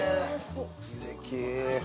すてき。